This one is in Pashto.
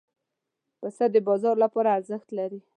پسه د بازار لپاره ارزښت لري.